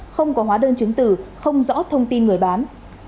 không có hóa đơn chứng tử không rõ thông tin người bán